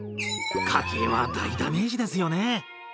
家計は大ダメージですよね。